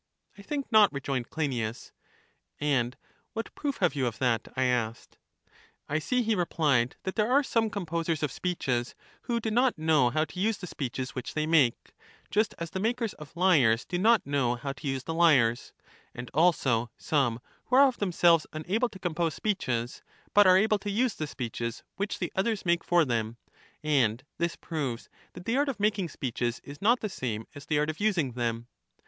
I think not, rejoined Cleinias. And what proof have you of that? I asked. I see, he replied, that there are some composers of speeches who do not know how to use the speeches which they make, just as the makers of lyres do not know how to use the lyres ; and also some who are of themselves unable to compose speeches, but are able to use the speeches which the others make for them; and this proves that the art of making speeches is not the same as the art of using them.